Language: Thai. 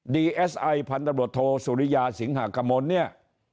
ดีเอสไอพันธบรวจโทสุริยาสิงหากมลเนี่ย